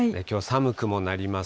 きょうは寒くもなります。